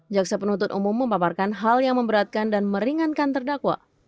jaksa penuntut umum memaparkan hal yang memberatkan dan meringankan terdakwa